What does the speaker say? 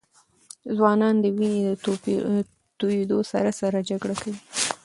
ځوانان د وینې د تویېدو سره سره جګړه کوي.